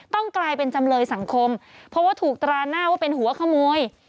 กลายเป็นจำเลยสังคมเพราะว่าถูกตราหน้าว่าเป็นหัวขโมย